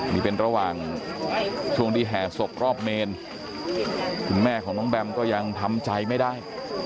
นี่เป็นระหว่างช่วงที่แห่ศพรอบเมนคุณแม่ของน้องแบมก็ยังทำใจไม่ได้